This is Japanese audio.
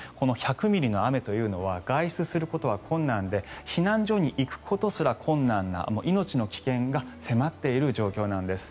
１００ミリの雨というのは外出することは困難で避難所に行くことすら困難な命の危険が迫っている状況なんです。